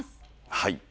はい。